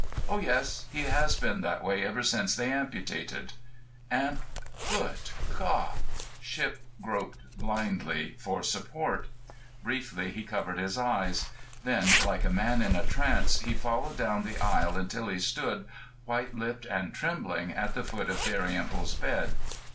"Oh yes; he has been that way ever since they amputated." "'Amp—' Good God!" Shipp groped blindly for support; briefly he covered his eyes. Then, like a man in a trance, he followed down the aisle until he stood, white lipped and trembling, at the foot of Dalrymple's bed.